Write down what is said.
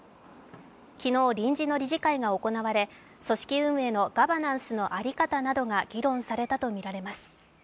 昨日臨時の理事会が行われ、組織運営のガバナンスの在り方などが議論されたとみられます。